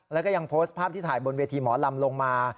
แล้วก็ยังโพสต์ภาพที่ถ่ายบนเวทีหมอลำลงมา